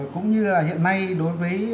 cũng như là hiện nay đối với